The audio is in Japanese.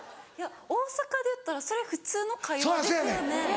大阪でいったらそれ普通の会話ですよね。